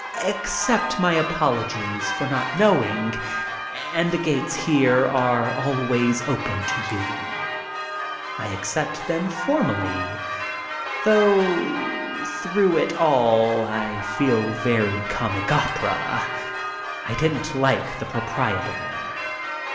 Accept my apologies for not knowing, and the gates here are always open to you." I accept them formally, though through it all I feel very comic opera. I didn't like the proprietor.